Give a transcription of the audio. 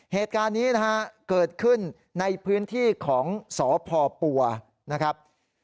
เหตุการณ์นี้นะฮะเกิดขึ้นในพื้นที่ของสพปัวนะครับ